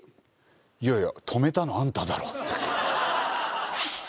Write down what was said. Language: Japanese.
いやいや止めたのあんただろって。